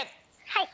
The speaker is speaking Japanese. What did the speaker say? はい！